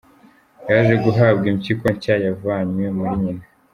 Yaje guhabwa impyiko nshya yavanywe muri nyina.